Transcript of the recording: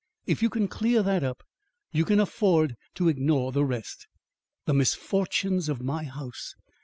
If you can clear up that, you can afford to ignore the rest." "The misfortunes of my house!"